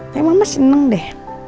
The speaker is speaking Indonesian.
tapi mama seneng deh